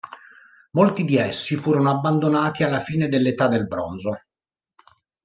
Molti di essi furono abbandonati alla fine dell'età del bronzo.